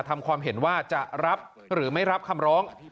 ทำความเห็นว่าจะรับหรือไม่รับคำร้อง